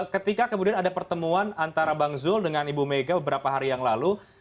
ketika kemudian ada pertemuan antara bang zul dengan ibu mega beberapa hari yang lalu